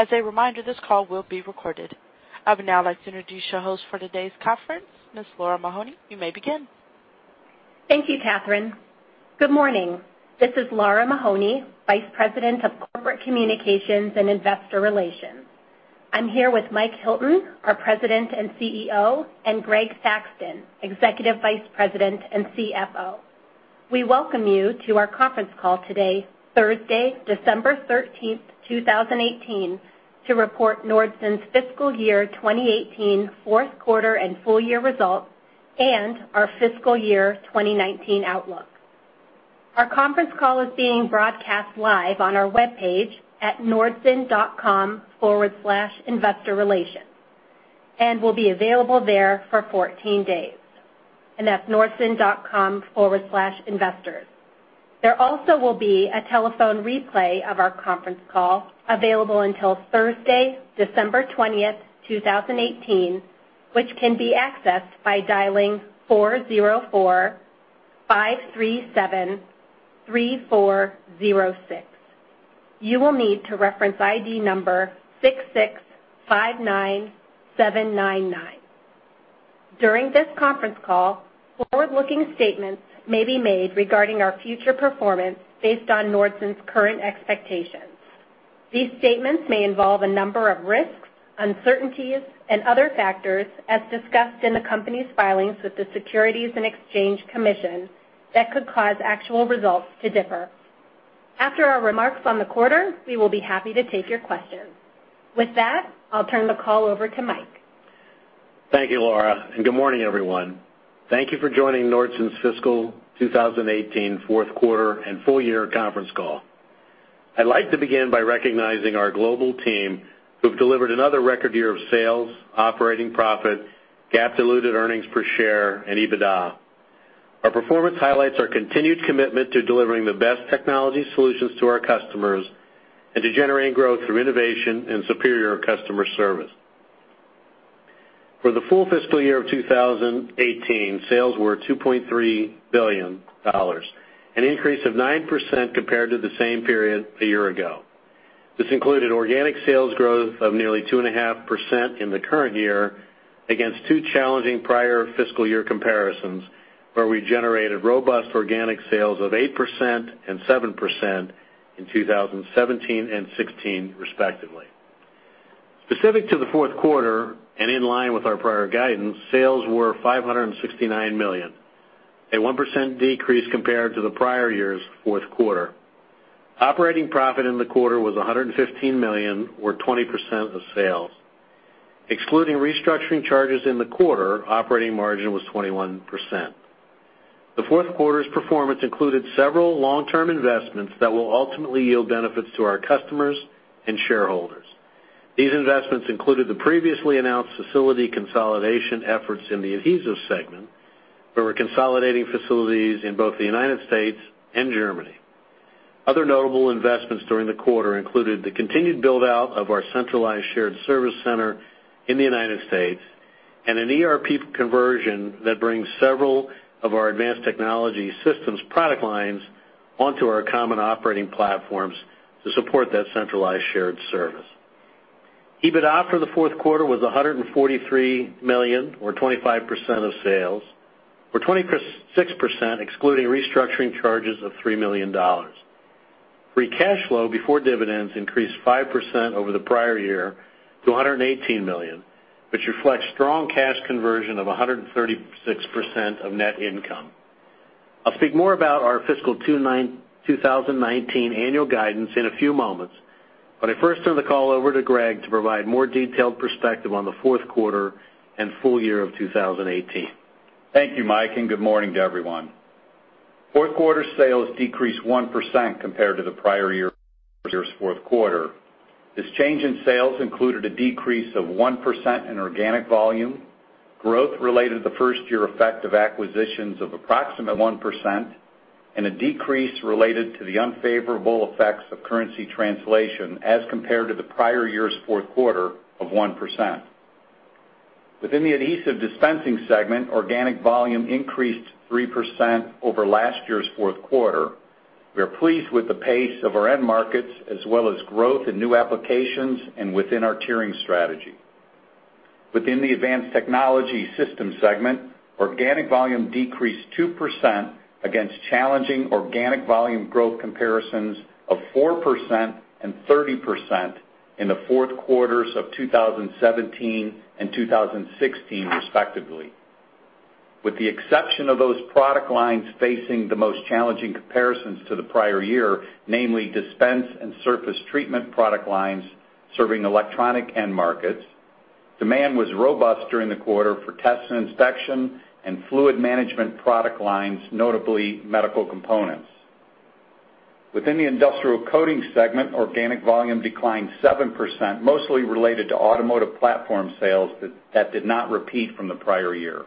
As a reminder, this call will be recorded. I would now like to introduce your host for today's conference, Ms. Lara Mahoney. You may begin. Thank you, Catherine. Good morning. This is Lara Mahoney, Vice President of Corporate Communications and Investor Relations. I'm here with Mike Hilton, our President and CEO, and Greg Thaxton, Executive Vice President and CFO. We welcome you to our conference call today, Thursday, December 13, 2018, to report Nordson's fiscal year 2018 fourth quarter and full year results and our fiscal year 2019 outlook. Our conference call is being broadcast live on our webpage at nordson.com/investors, and will be available there for 14 days. That's nordson.com/investors. There also will be a telephone replay of our conference call available until Thursday, December 20, 2018, which can be accessed by dialing 404-537-3406. You will need to reference ID number 6659799. During this conference call, forward-looking statements may be made regarding our future performance based on Nordson's current expectations. These statements may involve a number of risks, uncertainties, and other factors as discussed in the company's filings with the Securities and Exchange Commission that could cause actual results to differ. After our remarks on the quarter, we will be happy to take your questions. With that, I'll turn the call over to Mike. Thank you, Laura, and good morning, everyone. Thank you for joining Nordson's fiscal 2018 fourth quarter and full year conference call. I'd like to begin by recognizing our global team who've delivered another record year of sales, operating profit, GAAP diluted earnings per share, and EBITDA. Our performance highlights our continued commitment to delivering the best technology solutions to our customers and to generating growth through innovation and superior customer service. For the full fiscal year of 2018, sales were $2.3 billion, an increase of 9% compared to the same period a year ago. This included organic sales growth of nearly 2.5% in the current year against two challenging prior fiscal year comparisons, where we generated robust organic sales of 8% and 7% in 2017 and 2016, respectively. Specific to the fourth quarter and in line with our prior guidance, sales were $569 million, a 1% decrease compared to the prior year's fourth quarter. Operating profit in the quarter was $115 million or 20% of sales. Excluding restructuring charges in the quarter, operating margin was 21%. The fourth quarter's performance included several long-term investments that will ultimately yield benefits to our customers and shareholders. These investments included the previously announced facility consolidation efforts in the Adhesives segment, where we're consolidating facilities in both the United States and Germany. Other notable investments during the quarter included the continued build-out of our centralized shared service center in the United States and an ERP conversion that brings several of our Advanced Technology Systems product lines onto our common operating platforms to support that centralized shared service. EBITDA for the fourth quarter was $143 million or 25% of sales, or 26% excluding restructuring charges of $3 million. Free cash flow before dividends increased 5% over the prior year to $118 million, which reflects strong cash conversion of 136% of net income. I'll speak more about our fiscal 2019 annual guidance in a few moments, but I first turn the call over to Greg to provide more detailed perspective on the fourth quarter and full year of 2018. Thank you, Mike, and good morning to everyone. Fourth quarter sales decreased 1% compared to the prior year's fourth quarter. This change in sales included a decrease of 1% in organic volume growth related to the first year effect of acquisitions of approximately 1%, and a decrease related to the unfavorable effects of currency translation as compared to the prior year's fourth quarter of 1%. Within the Adhesive Dispensing segment, organic volume increased 3% over last year's fourth quarter. We are pleased with the pace of our end markets, as well as growth in new applications and within our tiering strategy. Within the Advanced Technology Systems segment, organic volume decreased 2% against challenging organic volume growth comparisons of 4% and 30% in the fourth quarters of 2017 and 2016, respectively. With the exception of those product lines facing the most challenging comparisons to the prior year, namely dispense and surface treatment product lines serving electronic end markets, demand was robust during the quarter for test and inspection and fluid management product lines, notably medical components. Within the Industrial Coating segment, organic volume declined 7%, mostly related to automotive platform sales that did not repeat from the prior year.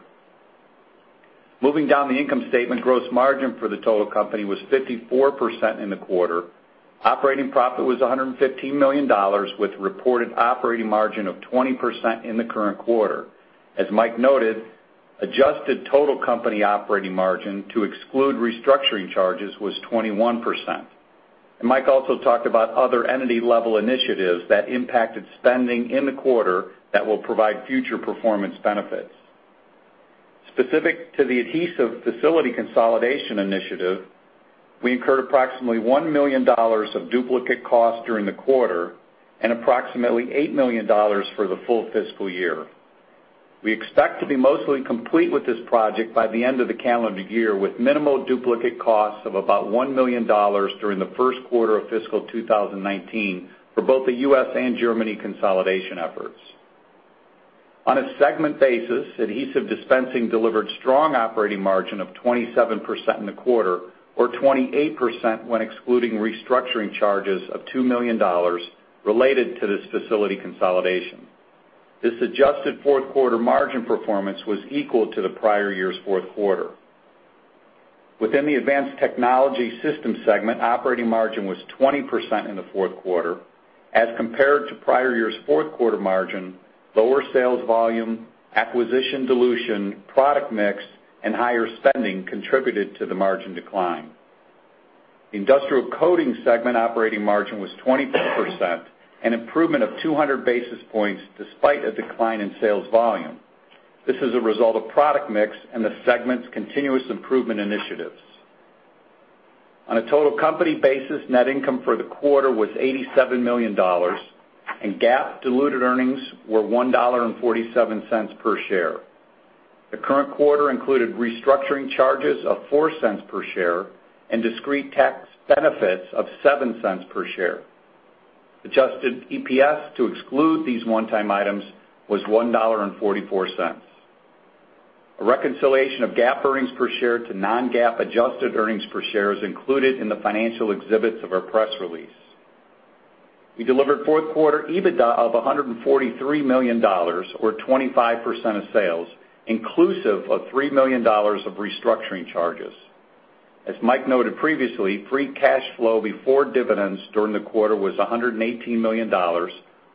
Moving down the income statement, gross margin for the total company was 54% in the quarter. Operating profit was $115 million, with reported operating margin of 20% in the current quarter. As Mike noted, we adjusted total company operating margin to exclude restructuring charges was 21%. Mike also talked about other entity level initiatives that impacted spending in the quarter that will provide future performance benefits. Specific to the Adhesive Dispensing facility consolidation initiative, we incurred approximately $1 million of duplicate costs during the quarter and approximately $8 million for the full fiscal year. We expect to be mostly complete with this project by the end of the calendar year, with minimal duplicate costs of about $1 million during the first quarter of fiscal 2019 for both the U.S. and Germany consolidation efforts. On a segment basis, Adhesive Dispensing delivered strong operating margin of 27% in the quarter, or 28% when excluding restructuring charges of $2 million related to this facility consolidation. This adjusted fourth quarter margin performance was equal to the prior year's fourth quarter. Within the Advanced Technology Systems segment, operating margin was 20% in the fourth quarter. As compared to prior year's fourth quarter margin, lower sales volume, acquisition dilution, product mix, and higher spending contributed to the margin decline. Industrial Coating segment operating margin was 24%, an improvement of 200 basis points despite a decline in sales volume. This is a result of product mix and the segment's continuous improvement initiatives. On a total company basis, net income for the quarter was $87 million, and GAAP diluted earnings were $1.47 per share. The current quarter included restructuring charges of $0.04 per share and discrete tax benefits of $0.07 per share. Adjusted EPS to exclude these one-time items was $1.44. A reconciliation of GAAP earnings per share to non-GAAP adjusted earnings per share is included in the financial exhibits of our press release. We delivered fourth quarter EBITDA of $143 million, or 25% of sales, inclusive of $3 million of restructuring charges. As Mike noted previously, free cash flow before dividends during the quarter was $118 million or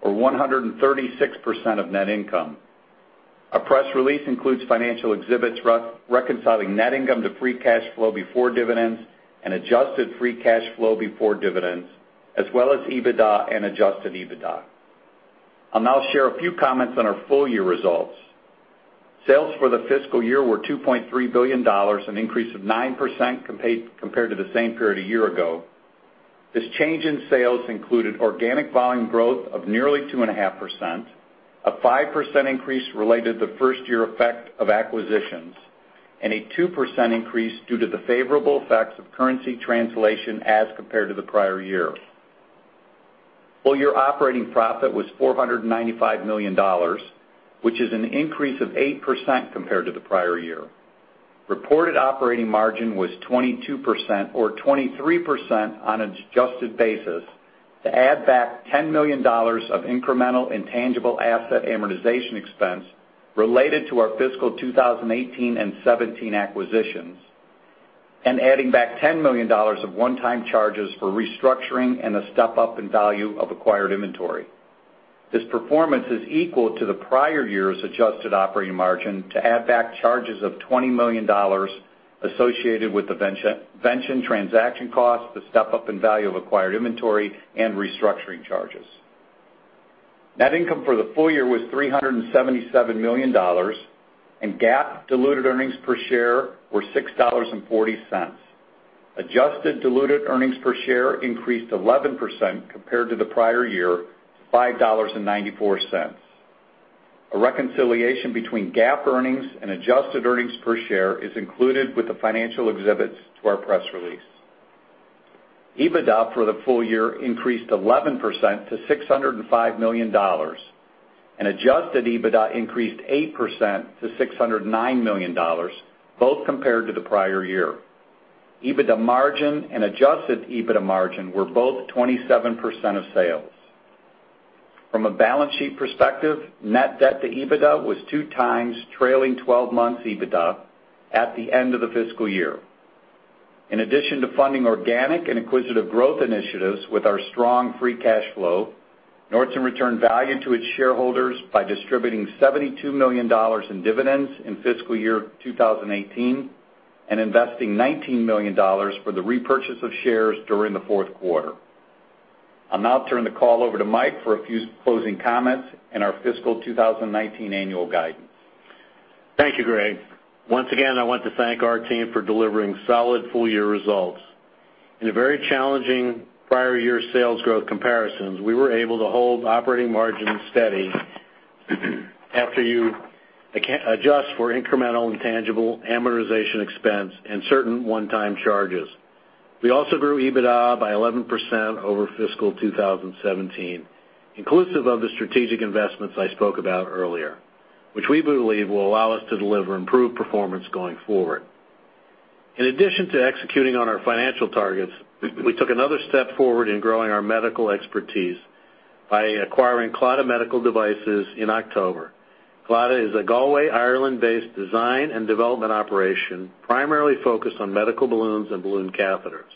136% of net income. Our press release includes financial exhibits reconciling net income to free cash flow before dividends and adjusted free cash flow before dividends, as well as EBITDA and adjusted EBITDA. I'll now share a few comments on our full year results. Sales for the fiscal year were $2.3 billion, an increase of 9% compared to the same period a year ago. This change in sales included organic volume growth of nearly 2.5%, a 5% increase related to first year effect of acquisitions, and a 2% increase due to the favorable effects of currency translation as compared to the prior year. Full year operating profit was $495 million, which is an increase of 8% compared to the prior year. Reported operating margin was 22% or 23% on adjusted basis to add back $10 million of incremental intangible asset amortization expense related to our fiscal 2018 and 2017 acquisitions, and adding back $10 million of one-time charges for restructuring and a step-up in value of acquired inventory. This performance is equal to the prior year's adjusted operating margin to add back charges of $20 million associated with the Vention transaction cost, the step-up in value of acquired inventory, and restructuring charges. Net income for the full year was $377 million, and GAAP diluted earnings per share were $6.40. Adjusted diluted earnings per share increased 11% compared to the prior year, $5.94. A reconciliation between GAAP earnings and adjusted earnings per share is included with the financial exhibits to our press release. EBITDA for the full year increased 11% to $605 million, and adjusted EBITDA increased 8% to $609 million, both compared to the prior year. EBITDA margin and adjusted EBITDA margin were both 27% of sales. From a balance sheet perspective, net debt to EBITDA was 2x trailing twelve months EBITDA at the end of the fiscal year. In addition to funding organic and acquisitive growth initiatives with our strong free cash flow, Nordson returned value to its shareholders by distributing $72 million in dividends in fiscal year 2018 and investing $19 million for the repurchase of shares during the fourth quarter. I'll now turn the call over to Mike for a few closing comments and our fiscal 2019 annual guidance. Thank you, Greg. Once again, I want to thank our team for delivering solid full year results. In a very challenging prior year sales growth comparisons, we were able to hold operating margins steady after adjust for incremental intangible amortization expense and certain one-time charges. We also grew EBITDA by 11% over fiscal 2017, inclusive of the strategic investments I spoke about earlier, which we believe will allow us to deliver improved performance going forward. In addition to executing on our financial targets, we took another step forward in growing our medical expertise by acquiring Clada Medical Devices in October. Clada is a Galway, Ireland-based design and development operation primarily focused on medical balloons and balloon catheters.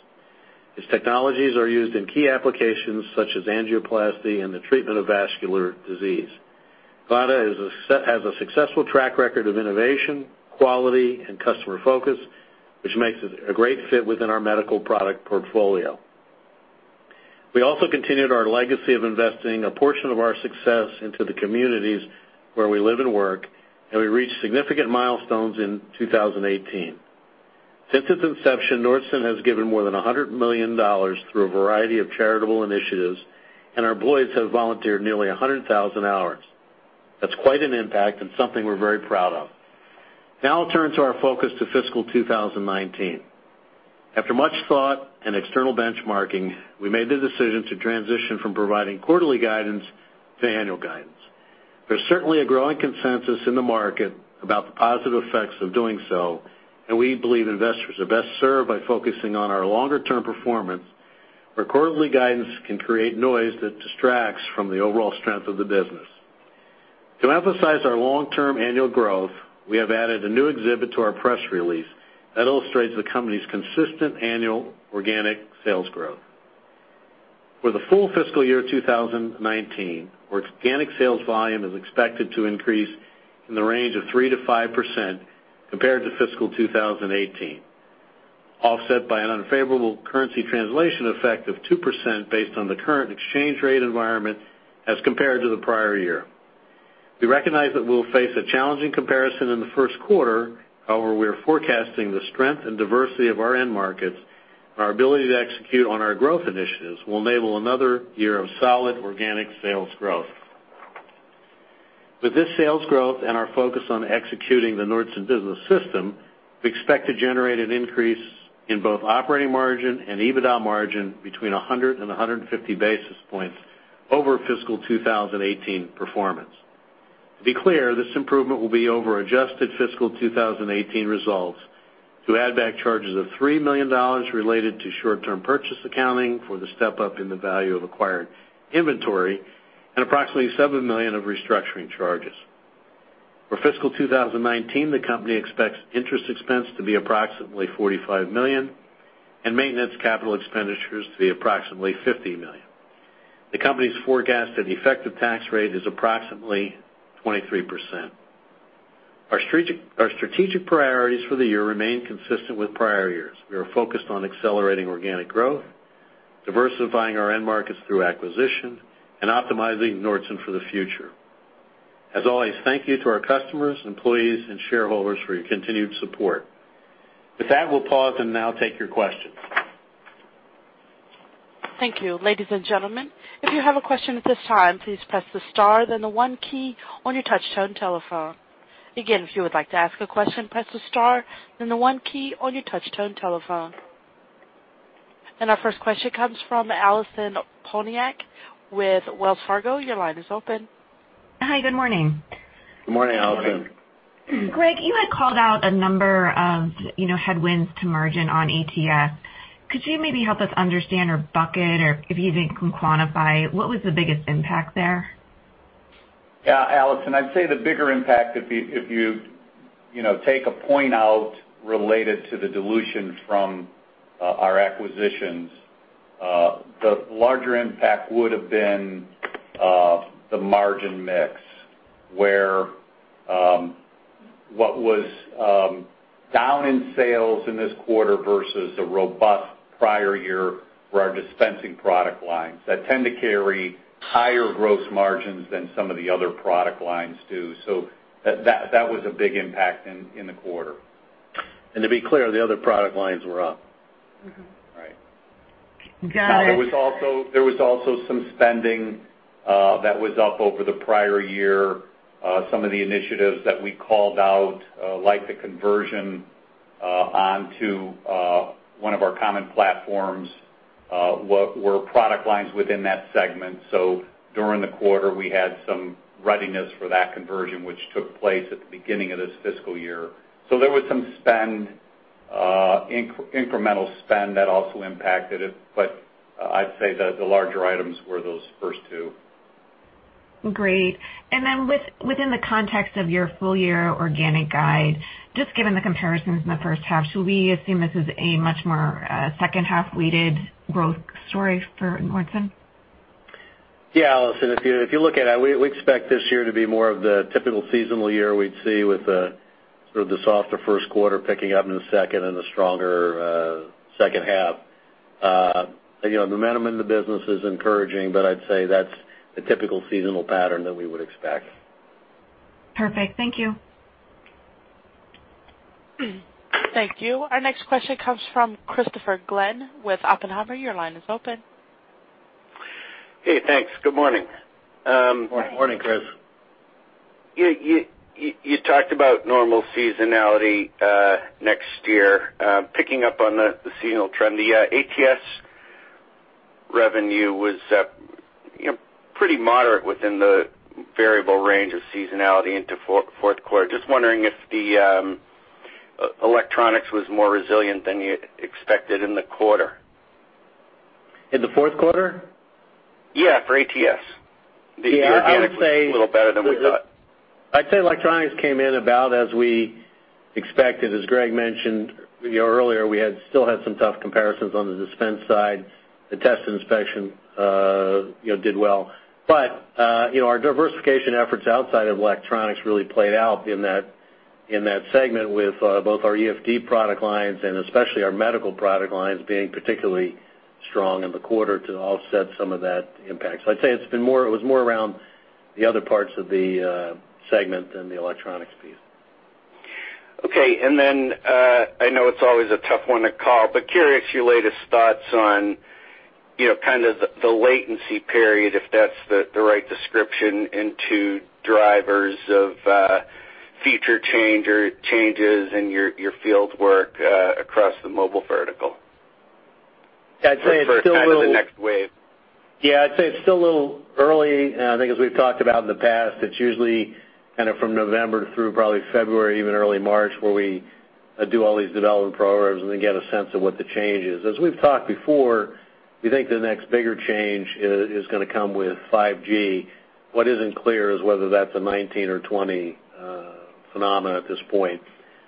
Its technologies are used in key applications such as angioplasty and the treatment of vascular disease. Clada has a successful track record of innovation, quality, and customer focus, which makes it a great fit within our medical product portfolio. We also continued our legacy of investing a portion of our success into the communities where we live and work, and we reached significant milestones in 2018. Since its inception, Nordson has given more than $100 million through a variety of charitable initiatives, and our employees have volunteered nearly 100,000 hours. That's quite an impact and something we're very proud of. Now I'll turn to our focus to fiscal 2019. After much thought and external benchmarking, we made the decision to transition from providing quarterly guidance to annual guidance. There's certainly a growing consensus in the market about the positive effects of doing so, and we believe investors are best served by focusing on our longer-term performance where quarterly guidance can create noise that distracts from the overall strength of the business. To emphasize our long-term annual growth, we have added a new exhibit to our press release that illustrates the company's consistent annual organic sales growth. For the full fiscal year 2019, where organic sales volume is expected to increase in the range of 3%-5% compared to fiscal 2018, offset by an unfavorable currency translation effect of 2% based on the current exchange rate environment as compared to the prior year. We recognize that we'll face a challenging comparison in the first quarter. However, we are forecasting the strength and diversity of our end markets, and our ability to execute on our growth initiatives will enable another year of solid organic sales growth. With this sales growth and our focus on executing the Nordson Business System, we expect to generate an increase in both operating margin and EBITDA margin between 100 and 150 basis points over fiscal 2018 performance. To be clear, this improvement will be over adjusted fiscal 2018 results, to add back charges of $3 million related to short-term purchase accounting for the step-up in the value of acquired inventory and approximately $7 million of restructuring charges. For fiscal 2019, the company expects interest expense to be approximately $45 million and maintenance capital expenditures to be approximately $50 million. The company's forecast and effective tax rate is approximately 23%. Our strategic priorities for the year remain consistent with prior years. We are focused on accelerating organic growth, diversifying our end markets through acquisition, and optimizing Nordson for the future. As always, thank you to our customers, employees, and shareholders for your continued support. With that, we'll pause and now take your questions. Thank you. Ladies and gentlemen, if you have a question at this time, please press the star, then the one key on your touch-tone telephone. Again, if you would like to ask a question, press the star, then the one key on your touch-tone telephone. Our first question comes from Allison Poliniak with Wells Fargo. Your line is open. Hi. Good morning. Good morning, Allison. Greg, you had called out a number of, you know, headwinds to margin on ATS. Could you maybe help us understand or bucket or if you think can quantify what was the biggest impact there? Yeah, Allison, I'd say the bigger impact, if you know, take a point out related to the dilution from our acquisitions, the larger impact would have been the margin mix, where what was down in sales in this quarter versus a robust prior year for our dispensing product lines that tend to carry higher gross margins than some of the other product lines do. That was a big impact in the quarter. To be clear, the other product lines were up. Mm-hmm. Right. Got it. There was also some spending that was up over the prior year. Some of the initiatives that we called out, like the conversion onto one of our common platforms were product lines within that segment. During the quarter, we had some readiness for that conversion, which took place at the beginning of this fiscal year. There was some spend, incremental spend that also impacted it, but I'd say that the larger items were those first two. Great. Within the context of your full year organic guide, just given the comparisons in the first half, should we assume this is a much more, second half-weighted growth story for Nordson? Yeah, Allison, if you look at that, we expect this year to be more of the typical seasonal year we'd see with sort of the softer first quarter picking up in the second and the stronger second half. You know, the momentum in the business is encouraging, but I'd say that's the typical seasonal pattern that we would expect. Perfect. Thank you. Thank you. Our next question comes from Christopher Glynn with Oppenheimer. Your line is open. Hey, thanks. Good morning. Morning, Chris. You talked about normal seasonality next year. Picking up on the seasonal trend, the ATS revenue was, you know, pretty moderate within the variable range of seasonality into fourth quarter. Just wondering if the electronics was more resilient than you expected in the quarter. In the fourth quarter? Yeah, for ATS. The organic was a little better than we thought. I'd say electronics came in about as we expected. As Greg mentioned, you know, earlier, still had some tough comparisons on the dispense side. The test and inspection, you know, did well. Our diversification efforts outside of electronics really played out in that segment with both our EFD product lines and especially our medical product lines being particularly strong in the quarter to offset some of that impact. I'd say it was more around the other parts of the segment than the electronics piece. Okay. I know it's always a tough one to call, but curious your latest thoughts on, you know, kind of the latency period, if that's the right description, into drivers of future change or changes in your field work across the mobile vertical. I'd say it's still a little. For kind of the next wave. Yeah, I'd say it's still a little early. I think as we've talked about in the past, it's usually kind of from November through probably February, even early March, where we do all these development programs and then get a sense of what the change is. As we've talked before, we think the next bigger change is gonna come with 5G. What isn't clear is whether that's a 2019 or 2020 phenomenon at this point.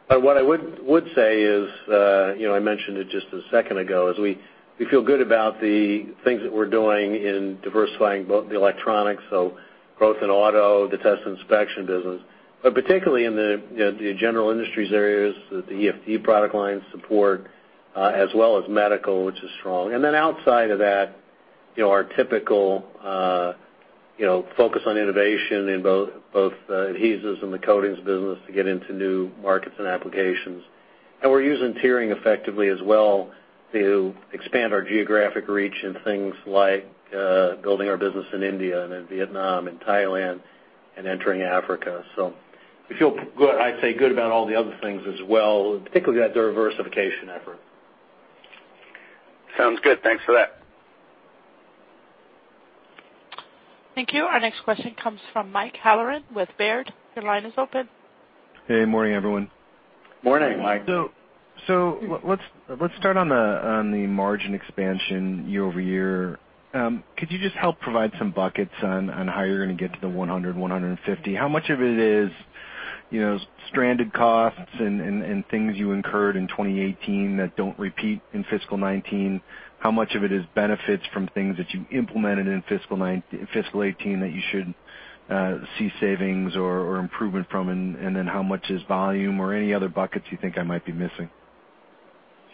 What I would say is, you know, I mentioned it just a second ago, we feel good about the things that we're doing in diversifying both the electronics, so growth in auto, the test and inspection business. Particularly in the, you know, the general industries areas that the EFD product lines support, as well as medical, which is strong. Outside of that, you know, our typical, you know, focus on innovation in both adhesives and the coatings business to get into new markets and applications. We're using tiering effectively as well to expand our geographic reach in things like, building our business in India and in Vietnam and Thailand and entering Africa. We feel good, I'd say good about all the other things as well, particularly that diversification effort. Sounds good. Thanks for that. Thank you. Our next question comes from Mike Halloran with Baird. Your line is open. Hey, morning, everyone. Morning, Mike. Let's start on the margin expansion year over year. Could you just help provide some buckets on how you're gonna get to the 100-150? How much of it is, you know, stranded costs and things you incurred in 2018 that don't repeat in fiscal 2019? How much of it is benefits from things that you implemented in fiscal 2018 that you should see savings or improvement from? Then how much is volume or any other buckets you think I might be missing?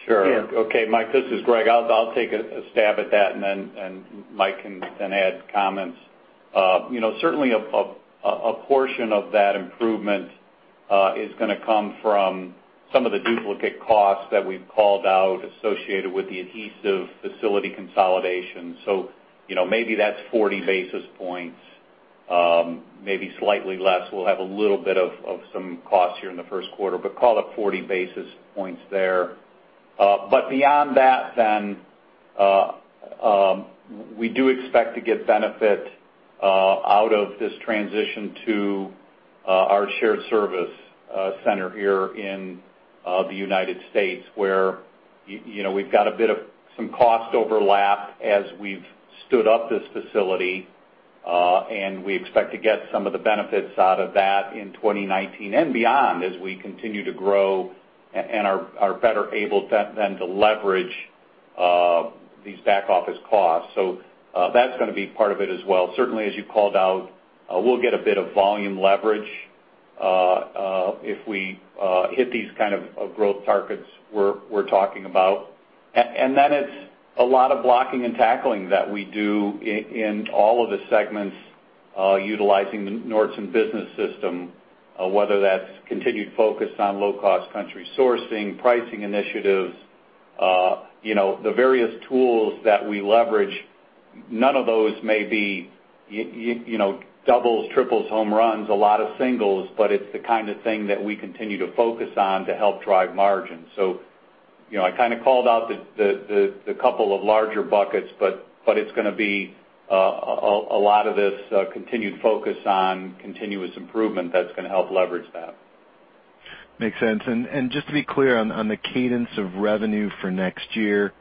Sure. Yeah. Okay, Mike, this is Greg. I'll take a stab at that, and then Mike can add comments. You know, certainly a portion of that improvement is gonna come from some of the duplicate costs that we've called out associated with the adhesive facility consolidation. You know, maybe that's 40 basis points, maybe slightly less. We'll have a little bit of some costs here in the first quarter, but call it 40 basis points there. Beyond that then, we do expect to get benefit out of this transition to our shared service center here in the United States, where you know, we've got a bit of some cost overlap as we've stood up this facility, and we expect to get some of the benefits out of that in 2019 and beyond as we continue to grow and are better able than to leverage these back office costs. That's gonna be part of it as well. Certainly, as you called out, we'll get a bit of volume leverage if we hit these kind of growth targets we're talking about. It's a lot of blocking and tackling that we do in all of the segments, utilizing the Nordson Business System, whether that's continued focus on low-cost country sourcing, pricing initiatives, you know, the various tools that we leverage, none of those may be, you know, doubles, triples home runs, a lot of singles, but it's the kind of thing that we continue to focus on to help drive margins. You know, I kind of called out the couple of larger buckets, but it's gonna be a lot of this, continued focus on continuous improvement that's gonna help leverage that. Makes sense. Just to be clear on the cadence of revenue for next year,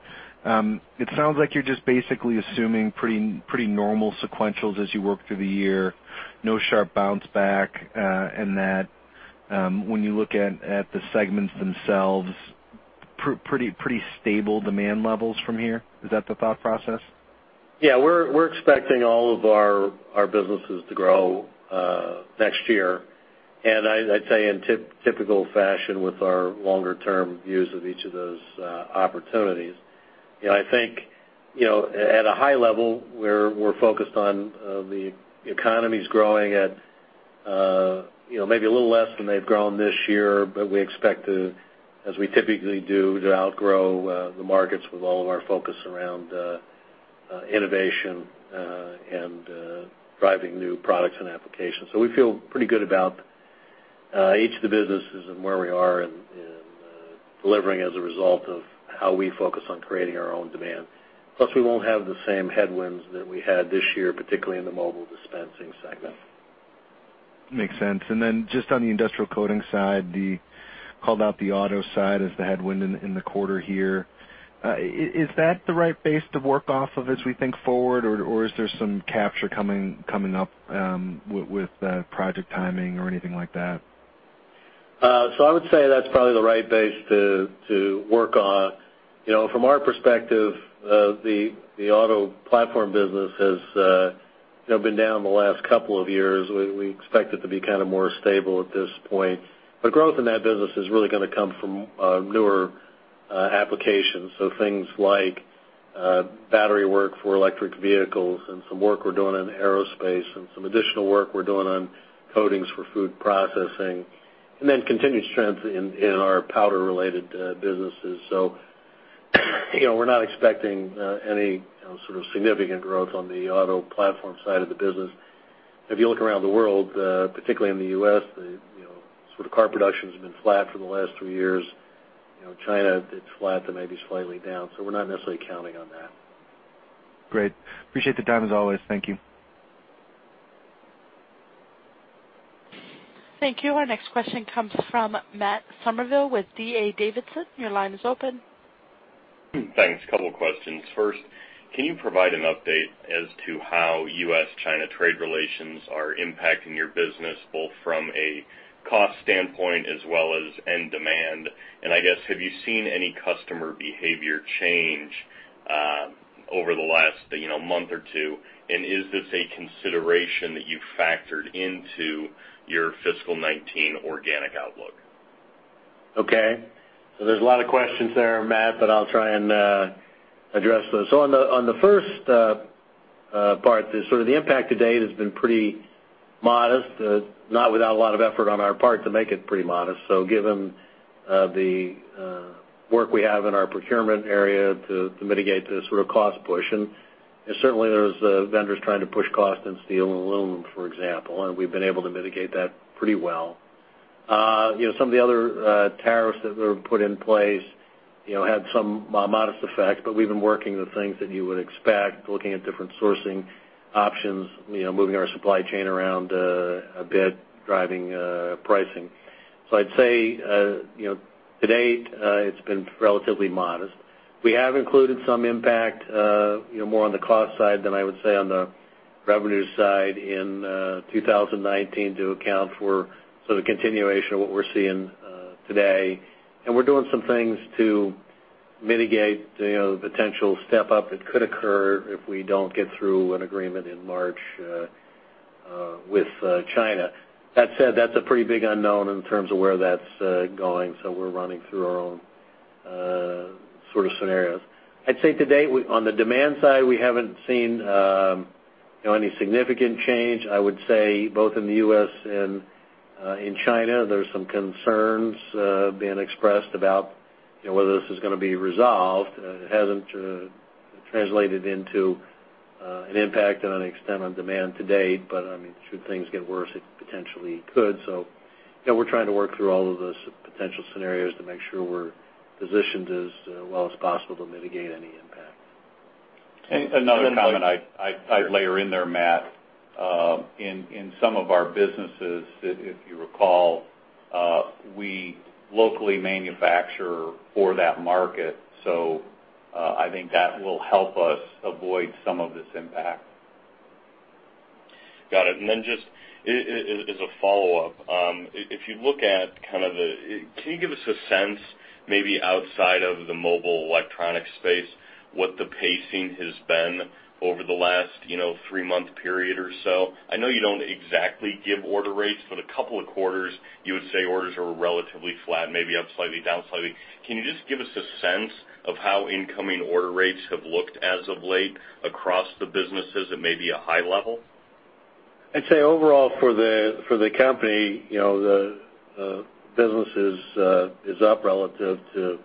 it sounds like you're just basically assuming pretty normal sequentials as you work through the year, no sharp bounce back, and that when you look at the segments themselves, pretty stable demand levels from here. Is that the thought process? Yeah. We're expecting all of our businesses to grow next year. I'd say in typical fashion with our longer term views of each of those opportunities. You know, I think, you know, at a high level, we're focused on the economy's growing at, you know, maybe a little less than they've grown this year, but we expect to, as we typically do, to outgrow the markets with all of our focus around innovation and driving new products and applications. We feel pretty good about each of the businesses and where we are and delivering as a result of how we focus on creating our own demand. Plus, we won't have the same headwinds that we had this year, particularly in the mobile dispensing segment. Makes sense. Just on the industrial coating side, called out the auto side as the headwind in the quarter here. Is that the right base to work off of as we think forward, or is there some capture coming up with the project timing or anything like that? I would say that's probably the right base to work on. You know, from our perspective, the auto platform business has, you know, been down the last couple of years. We expect it to be kind of more stable at this point. Growth in that business is really gonna come from newer applications. Things like battery work for electric vehicles and some work we're doing in aerospace and some additional work we're doing on coatings for food processing, and then continued strength in our powder-related businesses. You know, we're not expecting any, you know, sort of significant growth on the auto platform side of the business. If you look around the world, particularly in the U.S., you know, the sort of car production has been flat for the last three years. You know, China, it's flat to maybe slightly down, so we're not necessarily counting on that. Great. Appreciate the time as always. Thank you. Thank you. Our next question comes from Matt Summerville with D.A. Davidson. Your line is open. Thanks. Couple questions. First, can you provide an update as to how U.S.-China trade relations are impacting your business, both from a cost standpoint as well as end demand? I guess, have you seen any customer behavior change over the last, you know, month or two? Is this a consideration that you factored into your fiscal 2019 organic outlook? Okay. There's a lot of questions there, Matt, but I'll try and address those. On the first part, the sort of impact to date has been pretty modest, not without a lot of effort on our part to make it pretty modest. Given the work we have in our procurement area to mitigate the sort of cost push, and certainly there's vendors trying to push cost in steel and aluminum, for example, and we've been able to mitigate that pretty well. You know, some of the other tariffs that were put in place, you know, had some modest effects, but we've been working the things that you would expect, looking at different sourcing options, you know, moving our supply chain around a bit, driving pricing. So, I'd say, you know, to date, it's been relatively modest. We have included some impact, you know, more on the cost side than I would say on the revenue side in 2019 to account for sort of continuation of what we're seeing today. We're doing some things to mitigate, you know, the potential step up that could occur if we don't get through an agreement in March with China. That said, that's a pretty big unknown in terms of where that's going, so we're running through our own sort of scenarios. I'd say to date, on the demand side, we haven't seen, you know, any significant change. I would say, both in the U.S. and in China, there's some concerns being expressed about, you know, whether this is gonna be resolved. It hasn't translated into an impact to an extent on demand to date, but I mean, should things get worse, it potentially could. You know, we're trying to work through all of the potential scenarios to make sure we're positioned as well as possible to mitigate any impact. Another comment I'd layer in there, Matt. In some of our businesses, if you recall, we locally manufacture for that market. So, I think that will help us avoid some of this impact. Got it. Just as a follow-up, can you give us a sense, maybe outside of the mobile electronic space, what the pacing has been over the last, you know, three-month period or so? I know you don't exactly give order rates, but a couple of quarters you would say orders are relatively flat, maybe up slightly, down slightly. Can you just give us a sense of how incoming order rates have looked as of late across the businesses at maybe a high level? I'd say overall for the company, you know, the business is up relative to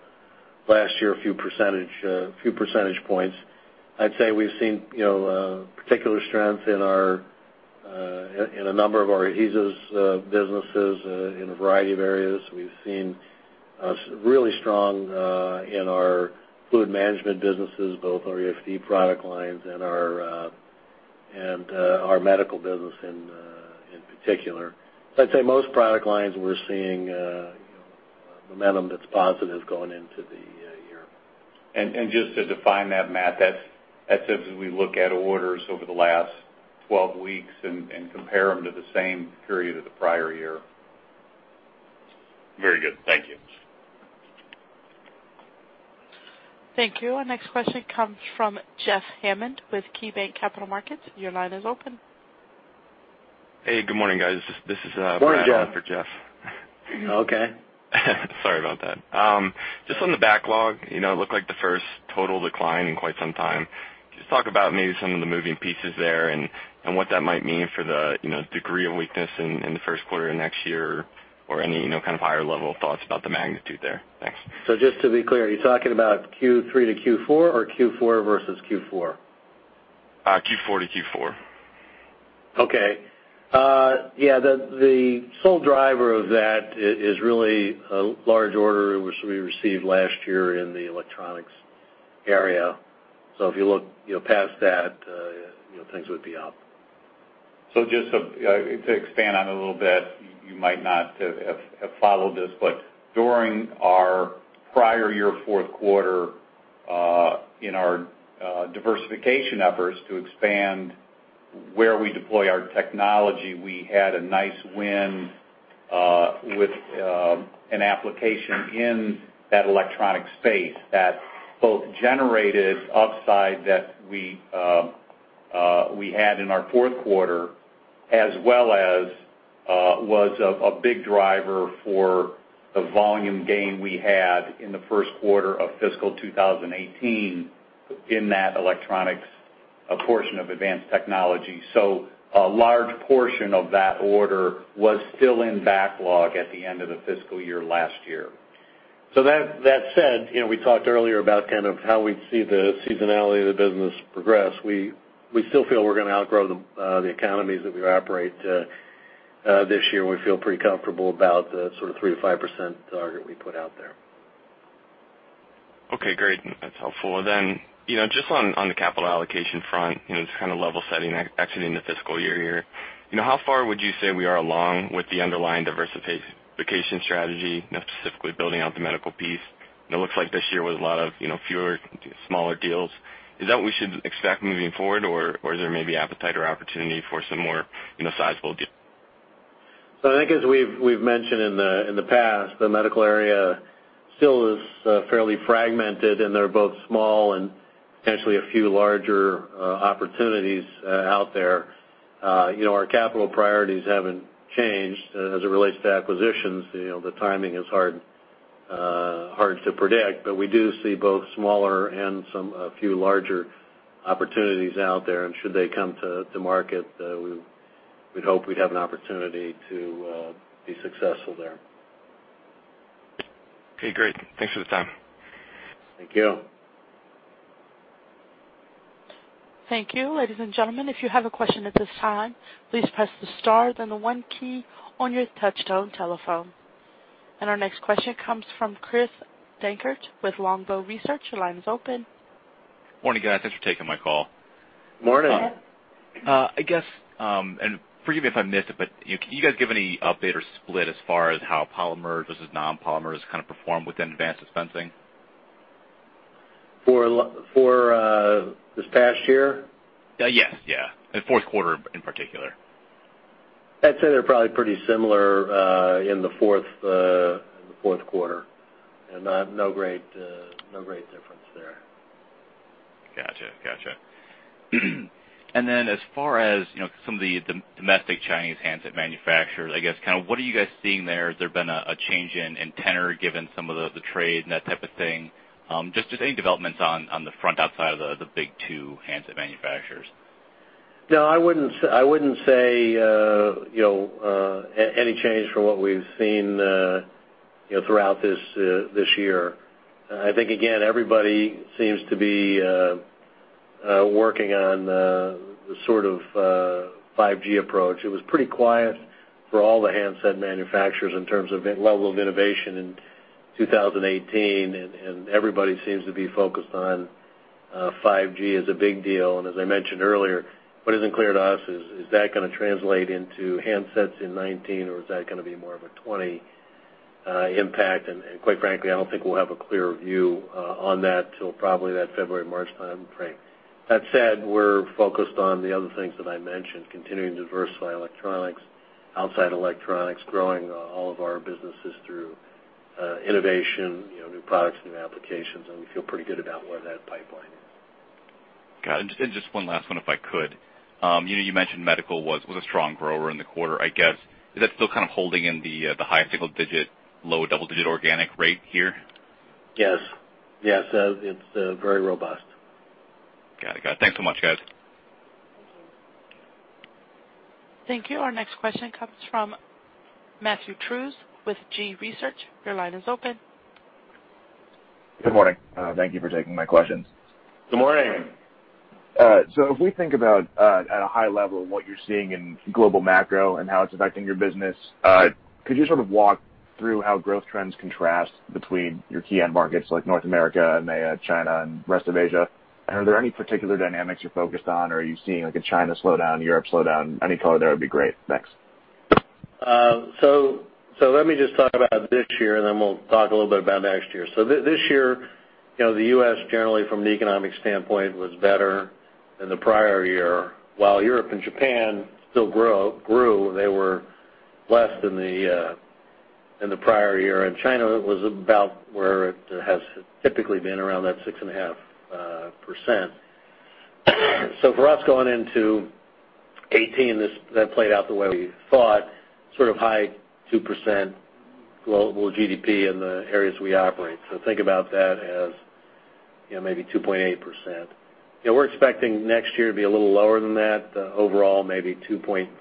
last year, a few percentage points. I'd say we've seen, you know, particular strength in a number of our adhesives businesses in a variety of areas. We've seen really strong in our fluid management businesses, both our EFD product lines and our medical business in particular. I'd say most product lines we're seeing, you know, momentum that's positive going into the year. Just to define that, Matt, that's as we look at orders over the last 12 weeks and compare them to the same period of the prior year. Very good. Thank you. Thank you. Our next question comes from Jeff Hammond with KeyBank Capital Markets. Your line is open. Hey, good morning, guys. This is Morning, Jeff. Brad on for Jeff. Okay. Sorry about that. Just on the backlog, you know, it looked like the first total decline in quite some time. Can you just talk about maybe some of the moving pieces there and what that might mean for the, you know, degree of weakness in the first quarter of next year or any, you know, kind of higher level thoughts about the magnitude there? Thanks. Just to be clear, are you talking about Q3 to Q4 or Q4 versus Q4? Q4 to Q4. Okay. Yeah, the sole driver of that is really a large order which we received last year in the electronics area. If you look, you know, past that, you know, things would be up. Just to expand on it a little bit, you might not have followed this, but during our prior year fourth quarter, in our diversification efforts to expand where we deploy our technology, we had a nice win with an application in that electronic space that both generated upside that we had in our fourth quarter, as well as was a big driver for the volume gain we had in the first quarter of fiscal 2018 in that electronics portion of Advanced Technology. A large portion of that order was still in backlog at the end of the fiscal year last year. So, that said, you know, we talked earlier about kind of how we'd see the seasonality of the business progress. We still feel we're gonna outgrow the economies that we operate. This year, we feel pretty comfortable about the sort of 3%-5% target we put out there. Okay, great. That's helpful. You know, just on the capital allocation front, you know, just kinda level setting actually in the fiscal year here. You know, how far would you say we are along with the underlying diversification strategy, specifically building out the medical piece? It looks like this year was a lot of, you know, fewer, smaller deals. Is that what we should expect moving forward, or is there maybe appetite or opportunity for some more, you know, sizable deals? I think as we've mentioned in the past, the medical area still is fairly fragmented, and there are both small and potentially a few larger opportunities out there. You know, our capital priorities haven't changed as it relates to acquisitions. You know, the timing is hard to predict, but we do see both smaller and a few larger opportunities out there. Should they come to market, we'd hope we'd have an opportunity to be successful there. Okay, great. Thanks for the time. Thank you. Thank you. Ladies and gentlemen, if you have a question at this time, please press the star then the one key on your touchtone telephone. Our next question comes from Chris Dankert with Longbow Research. Your line is open. Morning, guys. Thanks for taking my call. Morning. I guess, forgive me if I missed it, but can you guys give any update or split as far as how polymers versus non-polymers kind of perform within Advanced Dispensing? For this past year? Yes, yeah. The fourth quarter in particular. I'd say they're probably pretty similar in the fourth quarter. No great difference there. Gotcha. As far as, you know, some of the domestic Chinese handset manufacturers, I guess kind of what are you guys seeing there? Has there been a change in tenor given some of the trade and that type of thing? Just any developments on the front outside of the big two handset manufacturers. No, I wouldn't say, you know, any change from what we've seen, you know, throughout this year. I think, again, everybody seems to be working on the sort of 5G approach. It was pretty quiet for all the handset manufacturers in terms of the level of innovation in 2018, and everybody seems to be focused on 5G as a big deal. As I mentioned earlier, what isn't clear to us is that gonna translate into handsets in 2019 or is that gonna be more of a 2020 impact. Quite frankly, I don't think we'll have a clearer view on that till probably that February, March timeframe. That said, we're focused on the other things that I mentioned, continuing to diversify electronics, outside electronics, growing, all of our businesses through, innovation, you know, new products, new applications, and we feel pretty good about where that pipeline is. Got it. Just one last one, if I could. You know, you mentioned medical was a strong grower in the quarter. I guess, is that still kind of holding in the high single-digit, low double-digit organic rate here? Yes. Yes, it's very robust. Got it. Thanks so much, guys. Thank you. Our next question comes from Matthew Trewhella with G. Research. Your line is open. Good morning. Thank you for taking my questions. Good morning. If we think about, at a high level, what you're seeing in global macro and how it's affecting your business, could you sort of walk through how growth trends contrast between your key end markets like North America, EMEA, China, and rest of Asia? Are there any particular dynamics you're focused on or are you seeing like a China slowdown, Europe slowdown? Any color there would be great. Thanks. Let me just talk about this year, and then we'll talk a little bit about next year. This year, you know, the U.S. generally from an economic standpoint was better than the prior year, while Europe and Japan still grew, they were less than the prior year. China was about where it has typically been, around that 6.5%. For us going into 2018, that played out the way we thought, sort of high 2% global GDP in the areas we operate. Think about that as, you know, maybe 2.8%. You know, we're expecting next year to be a little lower than that, overall, maybe 2.5%.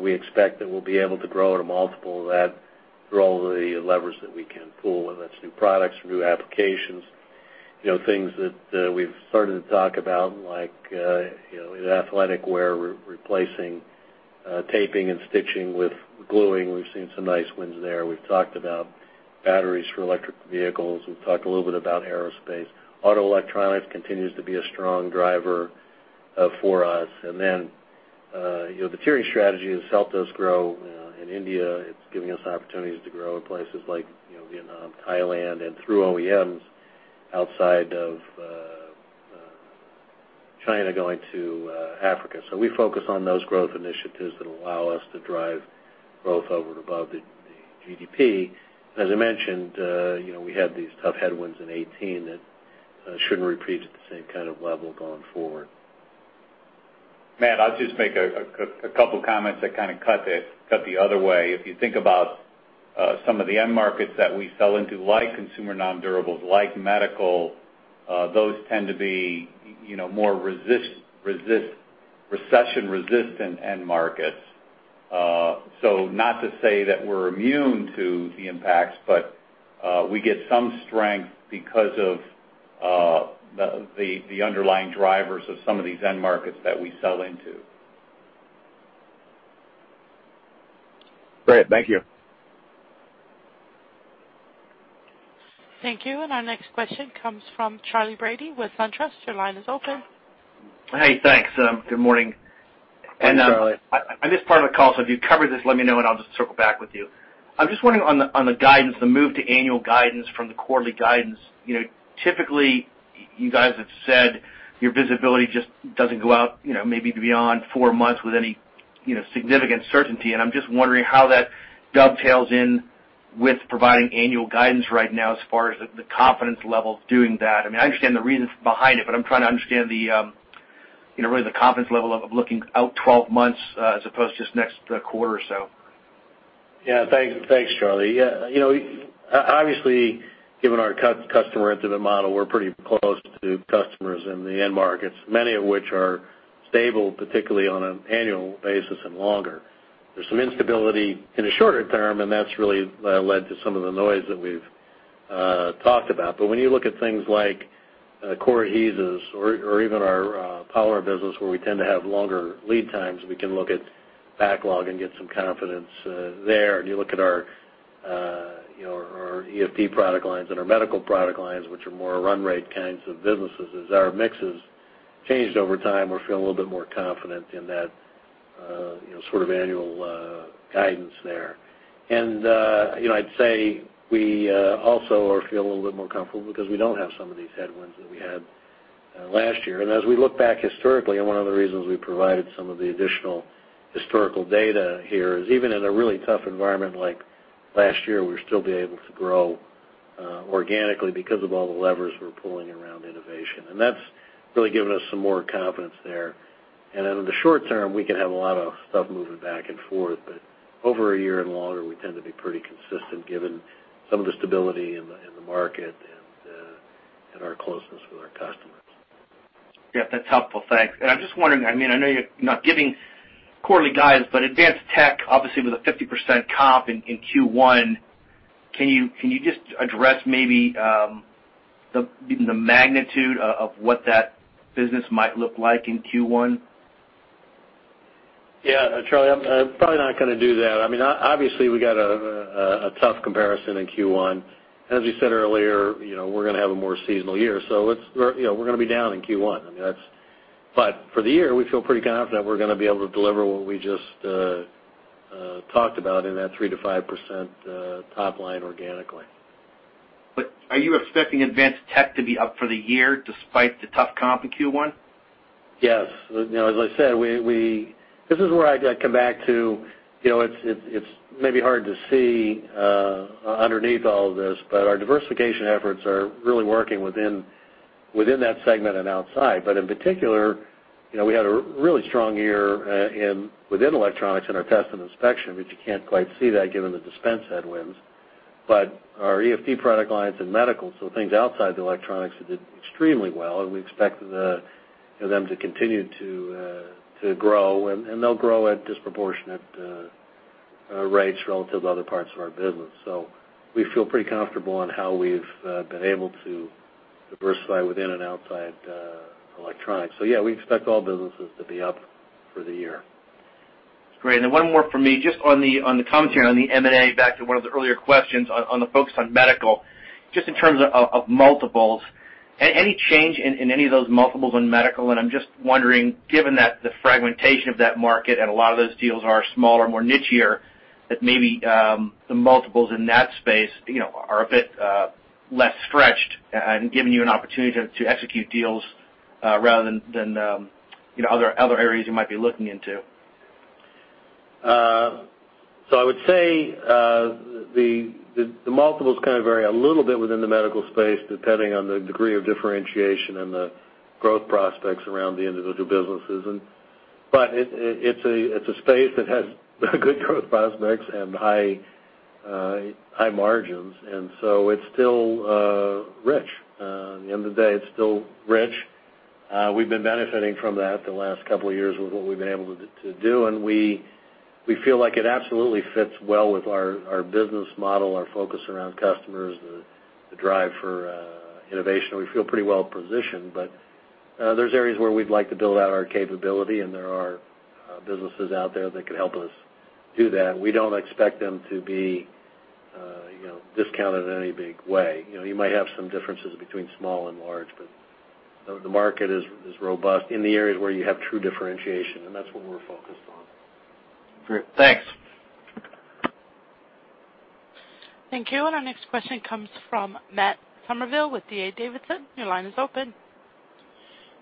We expect that we'll be able to grow at a multiple of that through all the levers that we can pull, whether that's new products or new applications. You know, things that we've started to talk about, like, you know, in athletic wear, replacing taping and stitching with gluing. We've seen some nice wins there. We've talked about batteries for electric vehicles. We've talked a little bit about aerospace. Auto electronics continues to be a strong driver for us. You know, the tiering strategy has helped us grow in India. It's giving us opportunities to grow in places like, you know, Vietnam, Thailand, and through OEMs outside of China going to Africa. We focus on those growth initiatives that allow us to drive growth over and above the GDP. As I mentioned, you know, we had these tough headwinds in 2018 that shouldn't repeat at the same kind of level going forward. Matt, I'll just make a couple comments that kind of cut the other way. If you think about some of the end markets that we sell into, like consumer nondurables, like medical, those tend to be you know, more recession-resistant end markets. So, not to say that we're immune to the impacts, but we get some strength because of the underlying drivers of some of these end markets that we sell into. Great. Thank you. Thank you. Our next question comes from Charley Brady with SunTrust. Your line is open. Hey, thanks. Good morning. Hey, Charley. I missed part of the call, so if you covered this, let me know, and I'll just circle back with you. I'm just wondering on the guidance, the move to annual guidance from the quarterly guidance. You know, typically you guys have said your visibility just doesn't go out, you know, maybe beyond four months with any, you know, significant certainty. I'm just wondering how that dovetails in with providing annual guidance right now as far as the confidence level doing that. I mean, I understand the reasons behind it, but I'm trying to understand the, you know, really the confidence level of looking out twelve months, as opposed to just next quarter or so. Yeah, thanks. Thanks, Charley. Yeah, you know, obviously, given our customer intimate model, we're pretty close to customers in the end markets, many of which are stable, particularly on an annual basis and longer. There's some instability in the shorter term, and that's really led to some of the noise that we've talked about. But when you look at things like core adhesives or even our power business where we tend to have longer lead times, we can look at backlog and get some confidence there. If you look at our you know, our EFD product lines and our medical product lines, which are more run rate kinds of businesses, as our mix has changed over time, we feel a little bit more confident in that you know, sort of annual guidance there. You know, I'd say we also are feeling a little bit more comfortable because we don't have some of these headwinds that we had last year. As we look back historically, one of the reasons we provided some of the additional historical data here is even in a really tough environment like last year, we've still been able to grow organically because of all the levers we're pulling around innovation. That's really given us some more confidence there. In the short term, we can have a lot of stuff moving back and forth, but over a year and longer, we tend to be pretty consistent given some of the stability in the market and our closeness with our customers. Yeah, that's helpful. Thanks. I'm just wondering, I mean, I know you're not giving quarterly guidance, but advanced tech, obviously, with a 50% comp in Q1, can you just address maybe the magnitude of what that business might look like in Q1? Yeah, Charley, I'm probably not gonna do that. I mean, obviously, we got a tough comparison in Q1. As you said earlier, you know, we're gonna have a more seasonal year, so we're gonna be down in Q1. I mean, for the year, we feel pretty confident we're gonna be able to deliver what we just talked about in that 3%-5% top line organically. Are you expecting advanced tech to be up for the year despite the tough comp in Q1? Yes. You know, as I said, this is where I come back to, you know, it's maybe hard to see underneath all of this, but our diversification efforts are really working within that segment and outside. In particular, you know, we had a really strong year within electronics in our test and inspection, but you can't quite see that given the dispense headwinds. Our EFD product lines and medical, so things outside the electronics, did extremely well, and we expect them, you know, to continue to grow. They'll grow at disproportionate rates relative to other parts of our business. We feel pretty comfortable on how we've been able to diversify within and outside electronics. Yeah, we expect all businesses to be up for the year. Great. Then one more for me, just on the commentary on the M&A, back to one of the earlier questions on the focus on medical. Just in terms of multiples, any change in any of those multiples on medical? I'm just wondering, given that the fragmentation of that market and a lot of those deals are smaller, more nichier, that maybe the multiples in that space, you know, are a bit less stretched and giving you an opportunity to execute deals, rather than you know, other areas you might be looking into. I would say the multiples kind of vary a little bit within the medical space depending on the degree of differentiation and the growth prospects around the individual businesses. It's a space that has good growth prospects and high margins, and it's still rich. At the end of the day, it's still rich. We've been benefiting from that the last couple of years with what we've been able to do, and we feel like it absolutely fits well with our business model, our focus around customers, the drive for innovation. We feel pretty well positioned, but there's areas where we'd like to build out our capability, and there are businesses out there that can help us do that. We don't expect them to be, you know, discounted in any big way. You know, you might have some differences between small and large, but the market is robust in the areas where you have true differentiation, and that's what we're focused on. Great. Thanks. Thank you. Our next question comes from Matt Summerville with D.A. Davidson. Your line is open.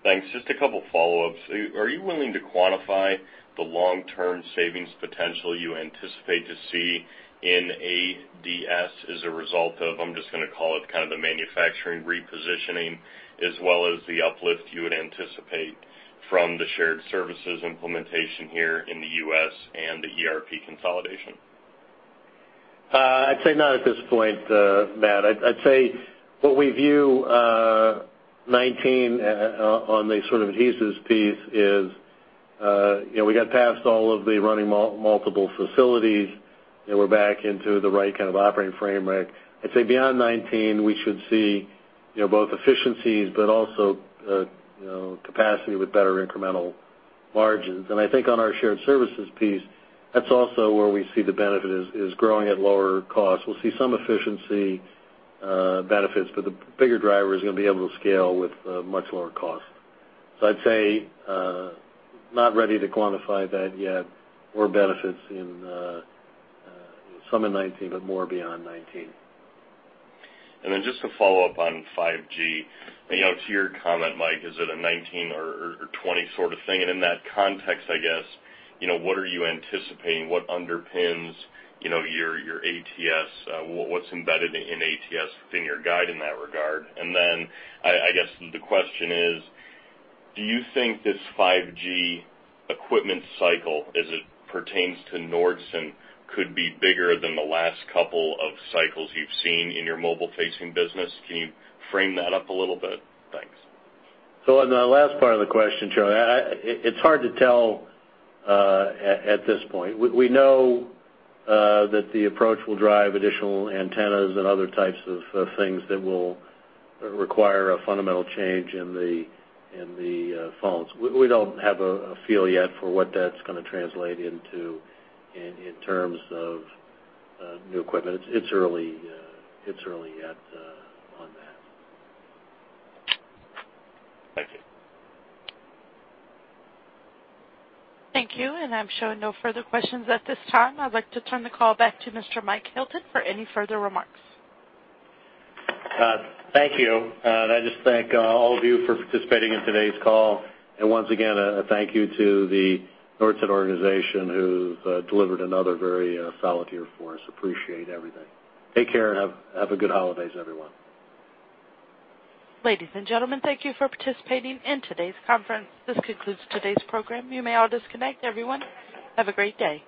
Thanks. Just a couple follow-ups. Are you willing to quantify the long-term savings potential you anticipate to see in ADS as a result of, I'm just gonna call it kind of the manufacturing repositioning, as well as the uplift you would anticipate from the shared services implementation here in the U.S. and the ERP consolidation? I'd say not at this point, Matt. I'd say what we view 2019 on the sort of adhesives piece is, you know, we got past all of the running multiple facilities, and we're back into the right kind of operating framework. I'd say beyond 2019, we should see, you know, both efficiencies but also, you know, capacity with better incremental margins. I think on our shared services piece, that's also where we see the benefit is growing at lower cost. We'll see some efficiency benefits, but the bigger driver is gonna be able to scale with a much lower cost. I'd say not ready to quantify that yet or some benefits in 2019, but more beyond 2019. Just to follow up on 5G. You know, to your comment, Mike, is it a 2019 or 2020 sort of thing? In that context, I guess, you know, what are you anticipating, what underpins, you know, your ATS, what's embedded in ATS figure guidance in that regard? I guess the question is, do you think this 5G equipment cycle as it pertains to Nordson could be bigger than the last couple of cycles you've seen in your mobile-facing business? Can you frame that up a little bit? Thanks. On the last part of the question, Matt, it's hard to tell at this point. We know that the approach will drive additional antennas and other types of things that will require a fundamental change in the phones. We don't have a feel yet for what that's gonna translate into in terms of new equipment. It's early. It's early yet on that. Thank you. Thank you. I'm showing no further questions at this time. I'd like to turn the call back to Mr. Mike Hilton for any further remarks. Thank you. I just thank all of you for participating in today's call. Once again, a thank you to the Nordson organization who've delivered another very solid year for us. Appreciate everything. Take care, and have a good holidays, everyone. Ladies and gentlemen, thank you for participating in today's conference. This concludes today's program. You may all disconnect, everyone. Have a great day.